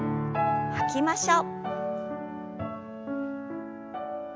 吐きましょう。